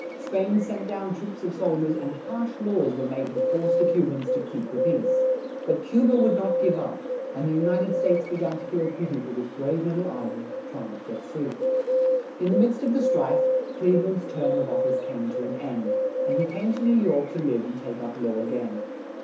Spain sent down troops of sol diers; and harsh laws were made to force the Cu bans to keep the peace. But Cu ba would not give up; and the U ni ted States be gan to feel pit y for this brave lit tle is land, try ing to get free. In the midst of the strife, Cleve land's term of of fice came to an end, and he came to New York to live and take up law a gain.